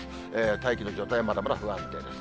大気の状態はまだまだ不安定です。